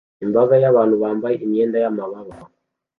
Imbaga y'abantu bambaye imyenda y'amabara